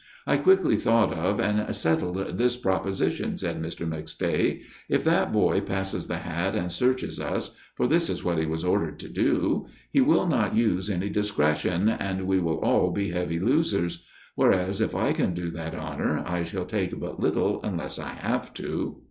"I quickly thought of and settled this proposition," said Mr. McStay. "If that boy passes the hat and searches us, for this is what he was ordered to do, he will not use any discretion, and we will all be heavy losers; whereas, if I can do that honor I shall take but little, unless I have to."